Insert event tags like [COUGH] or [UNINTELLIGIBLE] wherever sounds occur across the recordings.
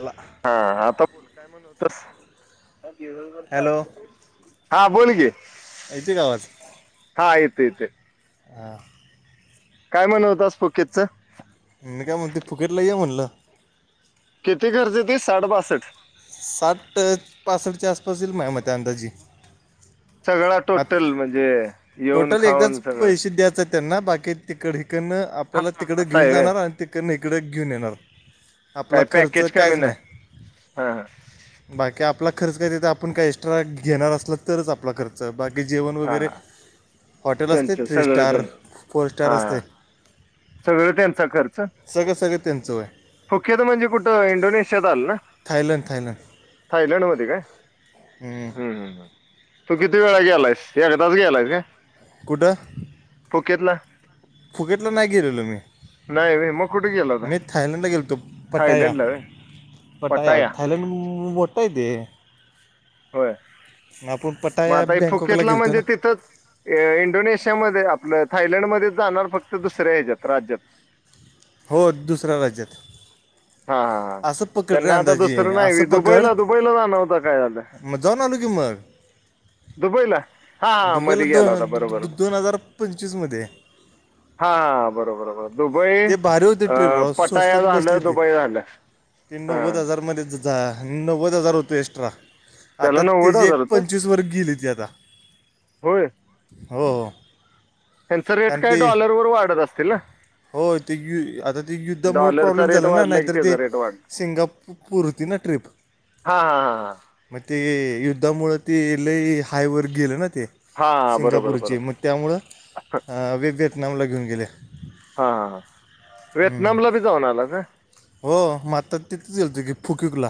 अला हा आता बोल -काय म्हण तर हॅलो हा, बोल घे येतोय का आवाज हा येतोय येतोय अ काय म्हणत होतास फोकेतच मी काय म्हणतोय फुकट लय म्हणलं किती खर्च ते साठ बासष्ट साठ पासष्टच्या, आसपास येईल, माझ्या मते अंदाजी सगळा आत टोटल म्हणजे येऊन टोटल एकदाच खाऊन सगळं पैसे द्यायचं, त्यांना बाकी तिकड हिकडन हा आपल्याला तिकडं असं घेऊन आहे व्हय. जाणार, आणि तिकडन इकडें घेऊन येणार. आपला, काय खर्च पॅकेज कमी कायच नाही. हा, ह बाकी आपला खर्च काय तथ आपण काही एक्स्ट्रा घेणार असला, तरच आपला, खर्च बाकी जेवण वगैरे हॉटेल असते त्यांच थ्री स्टार सगळंण फोर स्टार हा. असते सगळं त्यांचा खर्च सगळं सगळं त्यांचं आहे फुकेट म्हणजे, कुठं इंडोनेशियात आलं ना थायलंड थायलंड मध्ये काय हम् ह, तू, किती वेळा गेलायस, एदाच गेलायस का कुठ फोकेतला फुकेतलं नाही गेलेलो मी, व्हय मग कुठे गेला होता मी, थायलंडला गेलोतो, पटाया थायलंडला व्हय पटाया थयलंड मोटय ते होय [UNINTELLIGIBLE] मग, [UNINTELLIGIBLE] बँकॉकला फुकेतला गेलतो म्हणजे ना तिथंच इंडोनेशियामध्ये, आपलं थायलंडमध्ये, जाणार फक्त दुसऱ्या ह्याच्यात राज्यात हो, दुसऱ्या राज्यात हा, हा, ह असं पकड रे त्यांना आता अंदाजे दुसरं असं नाही पकड दुबईला, दुबईला, जाणार होता काय झालं? मग जाऊन आलो की मग दुबईला हा हा दुबईला मध्ये दा गेला होता बरोबर दोन हा दोन हजार पंचवीसमध्ये. हा बरोबर दुबई, ते भारी होते अ ट्रिप राव पटाया स्वस्तात बसली झाल्या दु ती ते [UNINTELLIGIBLE] हा नव्वद हजारमध्ये ज- जा नव्वद हजार होते, एक्स्ट्रा त्याला आता नव्वद त्याची हजार एक होतं पंचवीस वर गेली ती आता होय. हो हो त्यांचा रेट कारण काय ते डॉलर वर वाढत असतील, ना? हो, ते, य आता ते युद्धामुळे डॉलरचा प्रॉब्लेम रेट झाला ना वाढला की नाहीतर ते, त्याचा रेट वाढला सिंगापपूरतीन ट्रिप हा हा हा हा! मग ते युद्धामुळ ते लइ हायवर गेले ना ते. हा हा बरोबर सिंगापूरची बरोबर मग त्यामुळं व्हिएतनामला घेऊन गेले. हा हा हां व्हएतनामला बी जाऊन आला सा? हो मग आता तिथच गेलतो की फुकीरला.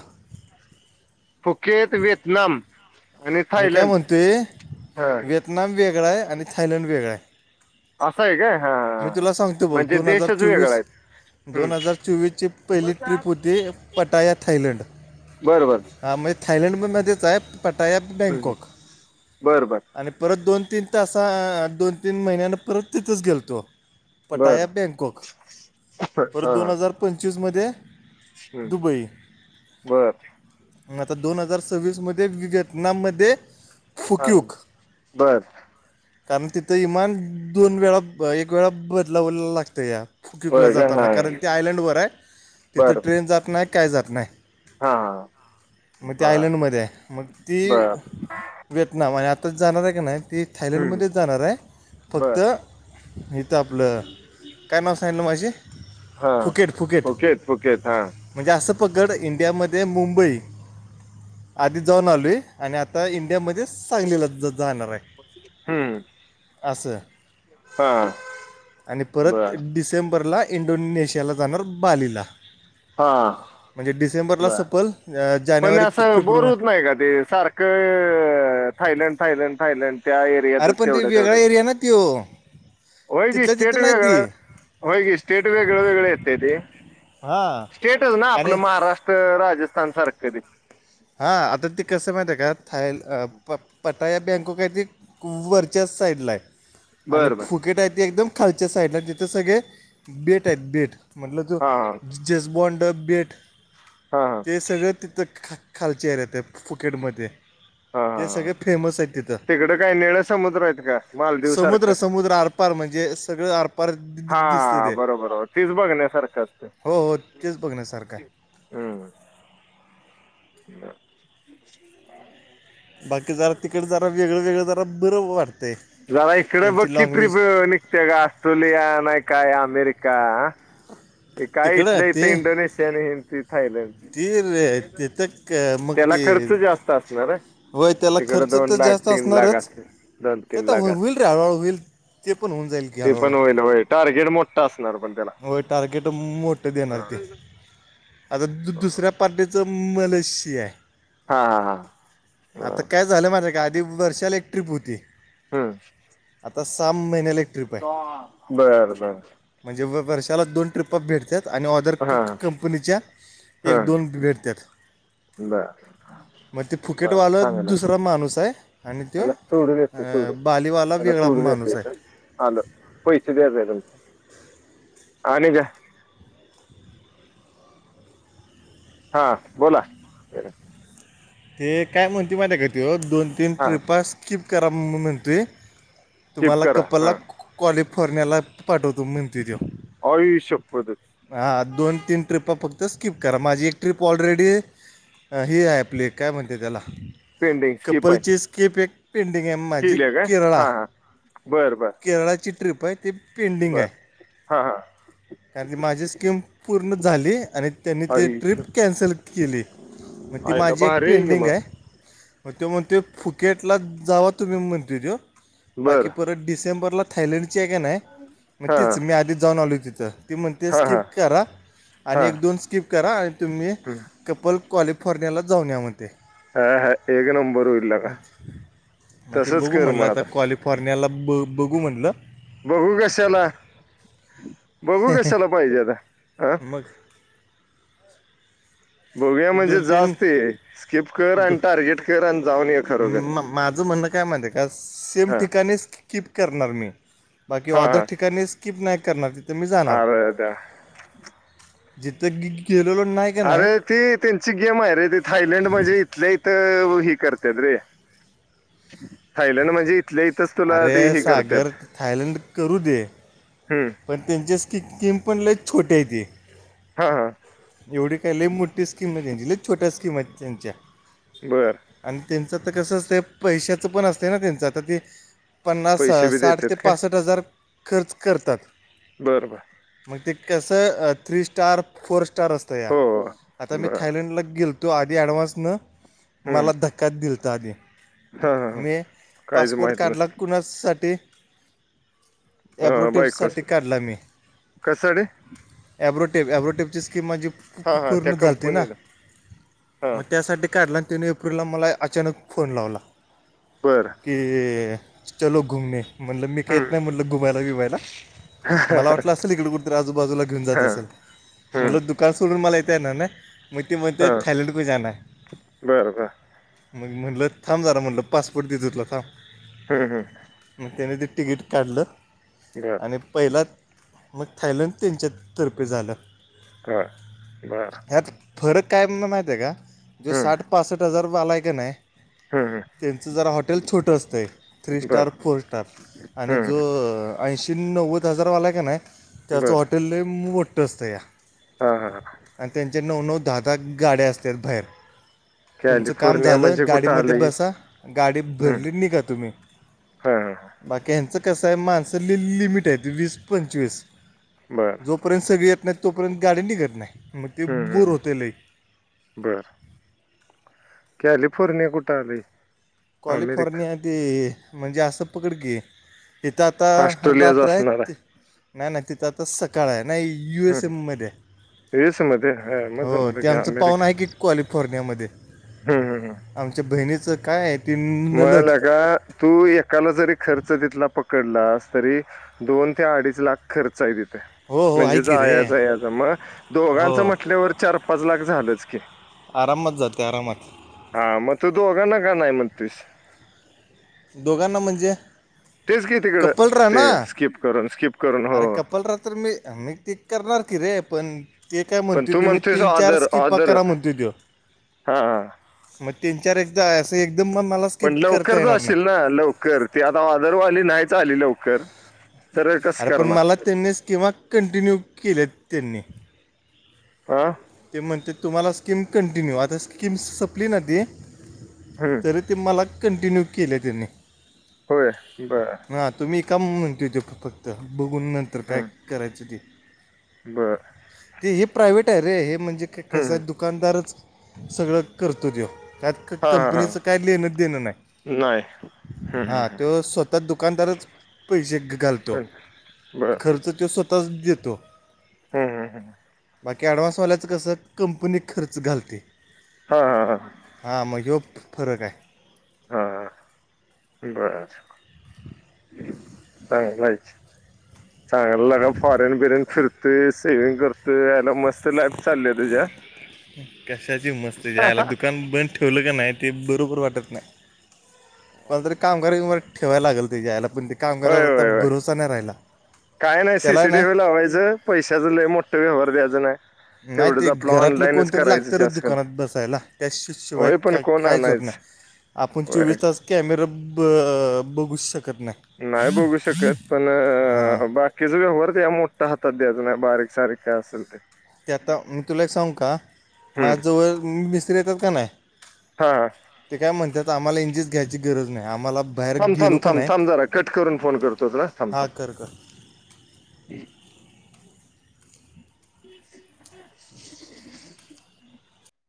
फुकेत, व्हिएतनाम आणि थायलंड. ह ना वेगळा आहे, आणि थयलंड वेगळा आहे. असं आहे काय, मी हा तुला सांगतो बघ म्हणजे, दोन हजार देशच वेगळा चोवीस आहे दोन हजार चोवीसची पहिली ट्रीप होती, पटाया थायलंड बर बर! हा म्हणजे थायलंडमध्येच आहे पटाय हम्म. बँकॉक. बर बर आणि परत दोन तीन तसा दोन तीन महिन्यान परत तिथंच गेलतो बर पटाया बँकॉक परत हा दोन हा. हजार पंचवीस मध्ये हम्म. दुबई! बर मग आता दोन हजार सव्वीस मध्ये व्हिएतनाम मध्ये हा फुकयुग. बर कारण तिथं इमान दोन वेळा एक वेळा बदलाव लागतया. फुकीतला बर का जाताना हा कारण ते आयलंडवर आहे तिथं बर ट्रेन जात नाही काय जात नाही. हा मग ते बर आयलंडमध्ये आहे. मग ती बर व्हिएतनाम आणि आताच जाणार आहे की नाही ती हम्म. थायलंडमध्येच जाणार आहे बर फक्त त आपलं काय नाव सांगितलं मगाशी? हा फुकेेत फुकेेत हा. म्हणजे असं पकड इंडियामध्ये मुंबई आधी जाऊन आलोय आणि आता इंडियामध्ये सांगलीला जाणार आहे. हम असं आणि परत बर डिसेंबरला इंडोनेशियाला जाणार बालीला. हा म्हणजे डिसेंबरला बर सपल पण जानेवारी असं बोर फेब्रुवारी होत नाही का? ते सारखं थायलंड, थायलंड, थायलंड? त्या अरे एरियातच पण ते तेवढ्या वेगळा तेवढ्यात. एरिया ना त्यो होय की तिथल्या स्टेट तिथं नाही वेगळ, ती होय की स्टेट वेगळ वेगळ येतय ते. हां स्टेटच ना आणि आपलं महाराष्ट्र, राजस्थान सारखं ते. हा आता ते कस माहिती का थाईल प पर आता या बँकॉक आहे ते वरच्याच साईडला आहे आणि बर बर फुकेत आहे ते एकदम खालच्या साईडला तिथे सगळे बेट आहेत बेट. म्हटलं त्यो. हां हां जेजबॉड बेट हां हां ते सगळ तिथं ख खालच्या एरियात आहे फुकेटमध्ये. हां ते हां हां सगळे फेमस आहेत तिथं. तिकडं काय निळं समुद्र आहेत का मालदीव समुद्र सारखं समुद्र अर् आरपार म्हणजे सगळे आरपार दि दिसत हां ते. बरोबर बरोबर. तेच बघण्यासारखं असतं हो हो तेच बघण्यासारखं आहे. हम्म. हम्म बाकी जरा तिकडे जरा वेगळं वेगळं जरा बरं वाटतंय. जरा इकडे बघ त्यांची की लँग्वेज ट्रीप निघते का ऑस्ट्रेलिया नाही काय अमेरिका? ते काय तिकडं आहे इथल्या ते इथं इंडोनेशिया नी थायलंड. ती लय तिथ क मग ती. साचणारे. होय त्याला खर्च तर जास्त असणारच असेल दोन ते तीन तर लाख हो असेल होईल रे हळूहळू होईल. ते पण होऊन जाईल की ते पण हळूहळू. होईल होय टार्गेट मोठा असणार पण त्याला. टार्गेट मोठं देणार ते आता दु दुसऱ्या पार्टीचं मलेशिया आहे. हा हा हा आता बर काय झालं माझ्या का आधी वर्षाला एक ट्रिप होती. हम्म आता सहा महिन्याला एक ट्रिप आहे बर बर! म्हणजे वर्षाला दोन ट्रिप भेटत्यात. आणि ऑदर क हा कंपनीच्या हा एक दोन भेटत्यात. बर! मग ते बर फुकेटवालं चांगलं दुसरा माणूस आहे. आणि तो त्याला सोडून येते सोडून बालीवाला वेगळा माणूस आहे. आलो पैसे द्यायचे तुमचं आणि काय? हा बोला? ते काय म्हणते माहिती त्यो का ते दोन तीन हा ट्रिप स्क्रिप करा म्हणतोय. स्किप तुम्हाला करा कपलला हा कॉलिफोर्नियाला पाठवतो म्हणतेत. आई शप्पथच. हा दोन तीन ट्रिप फक्त स्क्रिप करा माझी एक ट्रिप ऑलरेडी. ही आहे अँप आपले एक काय म्हणते त्याला पेंडिंग स्किप आहे कपलची स्केप एक पेंडिंग आहे माझी केरळा. बरं बर! केरळाची ट्रिप आहे ती बर हा हा! कारण ती माझी स्कीम पूर्ण झाली आणि त्यांनी ती आयुष्य ट्रिप कॅन्सल केली. मं ती आयला माझी एक भारी की पेंडिंग मग आहे. ते म्हणत्यो ते फुकेटला जावा तुम्ही म्हणत्यो त्यो. बर बाकी परत डिसेंबरला थायलंडची आहे का नाही, मग हा तीच मी आधी जाऊन आलोय तिथं. ती म्हणते हा स्कीप हा करा आणि हा एक दोन स्कीप करा आणि तुम्ही हम्म. कपल कॅलिफोर्नियालाच जाऊन म्हणते. हा हा एक नंबर होईल लगा ते तसंच बघु कर म्हणलं मग आता कॉली फोर्नियाला बघू म्हणलं. बघू कशाला, बघू कशाला पाहिजे आता हं. मग बघूया ते म्हणजे दोन तीन जाच ते. स्किप कर आणि दो टार्गेट कर आणि जाऊन ये खरोखर. माझ म्हणणं काय माहितेय का सेम हा ठिकाणीच स्कीप करणार मी, बाकी हा ऑदर हा ठिकाणी स्कीप नाही करणार. तं मी जाणार, अरे दा जिथ गेलेलो नाही का नाही ते त्यांची गेम आहे रे, ते थायलंड म्हणजे इथल्या इथं हे कर तात रे थायलंड म्हणजे इथल्या इथंच तुला अरे ते हे करतात सागर, थायलंड करू दे. हम्म पण त्यांच्या स्कीम पण लई छोट्यायते. हा हा एवढी काय लई मोठी स्कीम नाही त्यांची. लई छोट्या स्कीम आहेत त्यांच्या. बरं. अन त्यांचं तर कसं असतंय, पैशाचं पण असतंय ना त्यांच आता ते पन्नास, पैसे बी साठ ते देतात का पासष्ट हजार खर्च करतात. बरब मग ते कसं थ्री स्टार, फोर स्टार असं तया हो आता मी बर थायलंडला गेलतो आधी ऍडव्हान्स नं, हम्म मला ध क्का दिलता आधी. हा हा हा मी काहीच पासपोर्ट माहित काढला नसतं कुणासाठी अं, बायकोच एब्रोट्यब्साठी काढला मी. कसाडे ॲब्रोटेप, ॲब्रोटेपची स्कीम माझी पू हा पू हा त्या पूर्ण झालती ना कंपनीला हा म त्यासाठी काढला अन तीन एप्रिलला मला अचानक फोन लावला. बरं कि चलो घुमणे, म्हणलं मी काहि येत हम्म नाही म्हटलं घुमायला बिबायला. मला वाटलं असेल ईकडे कुठतरी आजू बाजूला घेऊन जात हा असेल. हम्म म्हणलं दुकान सोडून मला येता येणार नाहि, ना म ते हा म्हणतात थायलंडको जाणा है. बरं बर मग म्हणलं थांब जरा म्हणलं पासपोर्ट देतोय तुला थांब. हम् हम मग त्याने ते तिकीट काढलं, आणि पहिलात मग थायलंड त्यांच्यातर्फे झालं. काय बरं ह्यात फरक काय माहिती ये का? जो हम्म साठ पासष्ट हजार रु वालाय का नाही हम्म त्यांचं जरा हॉटेल छोटं असतंय, थ्री बर स्टार, फोर स्टार आणि जो हम्म ऐंशी नव्वद हजारवालाय का नाही, त्याचं बर हॉटेल लय मोठ्ठ असतंया. हा हा अन त्यांच्या नऊ, नऊ, दहा, दहा गाड्या असत्यात भायेर. तुमचं काम कॅलिफोर्निया झालं, म्हणजे कुठं गाडीमध्ये आलंय बसा, गाडी भरली अन निघा तुम्ही. हं हं हं. बाकी ह्यांचं कसं हाये माणसं लिमिट हाये वीस पंचवीस. बरं. जोपर्यंत सगळी येत नाहीत तोपर्यंत गाडी निघत नाही म ते हम्म बूर हम्म होते लई. बर. कॅलिफोर्निया कुठं आलं हे? कॉलिफोर्निया ते म्हणजे असं पकड की तिथं आता ऑस्ट्रेलियाच रात्र असणार आहेत आहे नाही नाही तिथं आता सकाळ आहे नाही यू एस हम्म एम मध्ये आहे. यूएस मध्ये हा, मग हो जमलं ते की आमच पाहून अमेरिका आहे की कॉलिफोर्नियामध्ये. हम्म आमच्या बहिणीचं काय आहे ती म नलद लका तू एकाला जरी खर्च तिथला पकडलास तरी दोन ते अडीच लाख खर्च आहे ति त हो हो आहे म्हणजे की रे जायचा याचा म हो दोघांचं म्हटल्यावर चार पाच लाख झालंच की. आरामात जाते आरामात. हा म तू दोघांना का नाही म्हणतोयस? दोघांना म्हणजे? तेच की तिकडं कपलरा ते ना स्किप करून, स्किप करून हो. अरे हो. कपलरा तर मी मी ते करणार की रे पण ते काय पण म्हणते तू तुम्ही म्हणतोयस तीन चार ऑदर, स्किपा ऑदर करा हां, म्हणते त्यो. हां. मग तीन चार एकदा असं एकदम म मला स्किप पण करता लवकरच येणार जाशील ना नाही लवकर ती आता ऑदर वाली नाहीच आली लवकर. सरळ कसं अरे पण करणार? मला त्यांनी स्कीमा कंटिन्यू केल्यात त्यांनी. आ. ते म्हणतेत तुम्हाला स्कीम कंटिन्यू आता स्कीम संपली ना ती हम्. तरी ते मला कंटिन्यू केल्या त्यांनी. होय बरं. हा तुम्ही काम म्हणतोय तो फक्त बघून नंतर काय करायचं ते. बर. ते हे प्रायव्हेट आहे रे हे म्हणजे क हं, कसाय हं. दुकानदारच सगळं करतो त्यो. त्यात क हां, हां, हां. कंपनीचं काय लेहिणंच देणं नाही. नाही. हम्म, हा हम्म, हम्म. तो स्वतः दुकानदारच पैशे घालतो. कोण? बर खर्च तो स्वतःच देतो. हम् हम हम. बाकी अँडव्हान्सवाल्याच कसं कंपनी खर्च घालते. हा हा हा हा म ह्यो फ फरक आहे. हा बर. चांगलायच. चांगल लगा फॉरेन बिरेन फिरतय सेविंग करत याला मस्त त लाईफ चालल्या तुझी आ. कशाची मस्त [UNINTELLIGIBLE] ठेवलं का नाही ते बरोबर वाटत नाही. कोणाला तरी कामगार बिमगार ठेवायला लागेल तेजा आयला पण ते होय कामगारावर आता होय होय भरोसा नाही राहिला काय नाय सी त्याला सी ना टी व्ही लावायचं पैशाच लै मोठं व्यवहार द्याचं नाही. नाही तेवढंच ते आपलं घरातलं ऑनलाईनच कोणतरी करायचं लागतं र जास्त दुकानात बसायला त्याशि-शिवाय होय पण काय कोण कायच होत नाय, आणायचं आपण होय चोवीस तास कॅमेर ब बघू शकत नाही. नाय बघू शकत, पण हां बा तेज व्यवहार त्याला मोठा हातात द्याच नाय, बारीक सारीक काय असल ते. ते आता मी तुला एक सांगू का? हम्म माझ्याजवळ म मिस्त्री येतात कनाय. हा. ते काय म्हणतात आम्हाला इंजीच घ्यायची गरज नाही, आम्हाला बाहेर थांब गेलो थांब का थांब, नाही थांब जरा कट करून फोन करतो तुला. थांब हा, थांब कर कर. [UNINTELLIGIBLE]